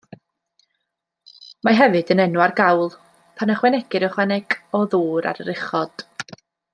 Mae hefyd yn enw ar gawl, pan ychwanegir ychwaneg o ddŵr ar yr uchod.